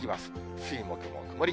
水、木も曇り。